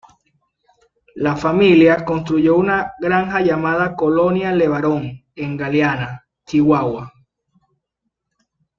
La familia construyó una granja llamada "Colonia LeBaron" en Galeana, Chihuahua.